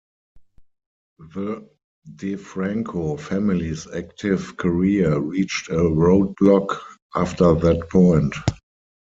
The DeFranco Family's active career reached a roadblock after that point.